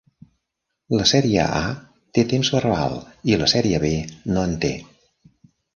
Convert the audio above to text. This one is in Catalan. La sèrie A té temps verbal i la sèrie B no en té.